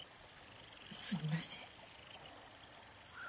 すみません。